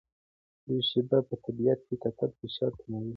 یو شېبه په طبیعت کې کتل فشار کموي.